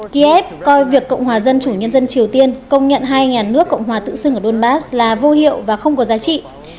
kiev coi việc cộng hòa dân chủ nhân dân triều tiên công nhận hai nhà nước cộng hòa tự xưng ở donbass là vô hiệu và không có giá trị